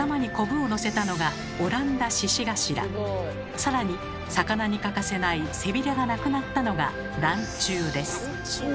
さらに魚に欠かせない背びれがなくなったのが「ランチュウ」です。